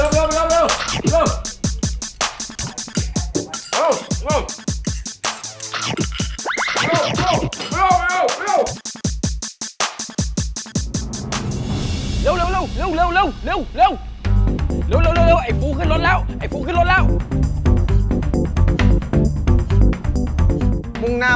มันขโมยกระทั่งน้ำ